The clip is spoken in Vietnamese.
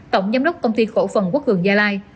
tổng giám đốc công ty khổ phần quốc hường gia lai